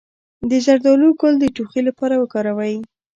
د زردالو ګل د ټوخي لپاره وکاروئ